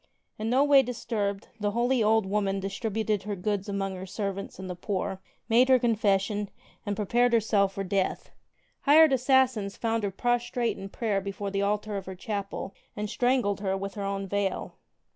In no way disturbed, the holy old woman distributed her goods among her servants and the poor, made her confession and prepared herself for death. Flired assassins found her prostrate in prayer before the altar of her chapel and strangled her with her own veil.